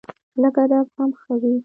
لږ ادب هم ښه وي